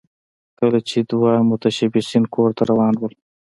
کله چې دوه متشبثین کور ته روان وو